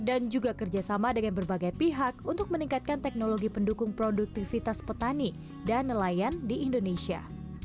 dan juga kerjasama dengan berbagai pihak untuk meningkatkan teknologi pendukung produktivitas petani dan nelayan di indonesia